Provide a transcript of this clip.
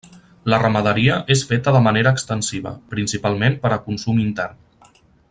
La ramaderia és feta de manera extensiva, principalment per a consum intern.